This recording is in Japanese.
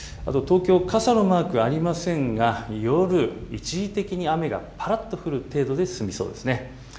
東京、傘のマークありませんが夜、一時的に雨がぱらっと降る程度で済みそうです。